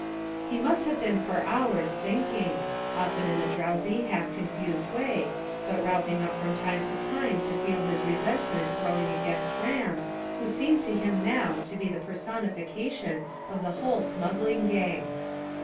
He must have been for hours thinking, often in a drowsy, half confused way, but rousing up from time to time to feel his resentment growing against Ram, who seemed to him now to be the personification of the whole smuggling gang.